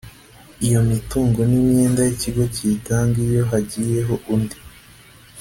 iyo mitungo n imyenda y ikigo kiyitanga iyo hagiyeho undi